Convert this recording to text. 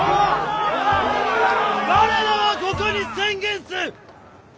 我らはここに宣言す！